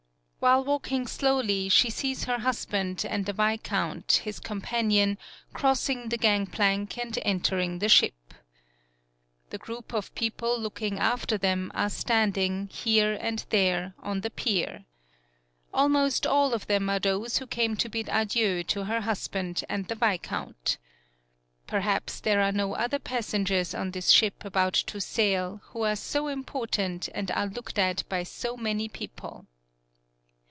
While walking slowly, she sees her husband and the viscount, his compan ion, crossing the gangplank and enter ing the ship. The group of people looking after them are standing, here and there, on the pier. Almost all of them are those who came to bid adieu to her husband and the viscount. Perhaps there are no 58 THE PIER other passengers on this ship about to sail who are so important and are looked at by so many people.